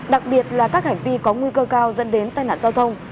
đặc biệt là các hành vi có nguy cơ cao dẫn đến tai nạn giao thông